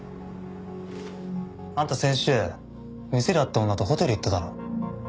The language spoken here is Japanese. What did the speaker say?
あんた先週店で会った女とホテル行っただろ。